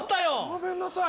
ごめんなさい。